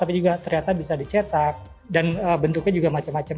tapi juga ternyata bisa dicetak dan bentuknya juga macam macam